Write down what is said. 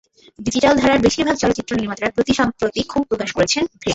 Digital ধারার বেশির ভাগ চলচ্চিত্রনির্মাতার প্রতি সম্প্রতি ক্ষোভ প্রকাশ করেছেন ফেরদৌস।